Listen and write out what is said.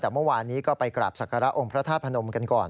แต่เมื่อวานนี้ก็ไปกราบศักระองค์พระธาตุพนมกันก่อน